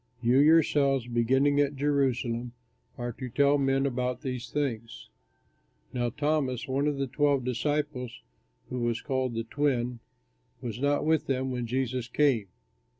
You yourselves, beginning at Jerusalem, are to tell men about these things." Now Thomas, one of the twelve disciples, who was called "The Twin," was not with them when Jesus came.